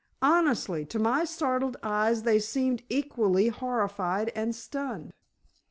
Honestly, to my startled eyes they seemed equally horrified and stunned."